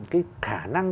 cái khả năng